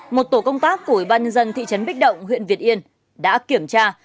một tổ công tác của bàn nhân dân thị trấn bích động huyện việt yên đã kiểm tra